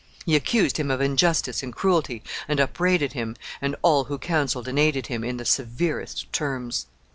He accused him of injustice and cruelty, and upbraided him, and all who counseled and aided him, in the severest terms.